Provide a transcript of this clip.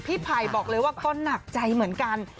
พี่ไผ่ก็หนักใจเหมือนกัน